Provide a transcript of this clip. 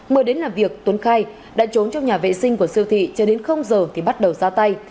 mới đến làm việc tuấn khai đã trốn trong nhà vệ sinh của siêu thị chưa đến giờ thì bắt đầu ra tay